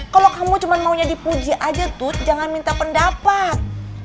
kalau kamu cuma maunya dipuji aja tuh jangan minta pendapat